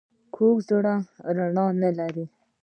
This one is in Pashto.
کوږ زړه رڼا نه لري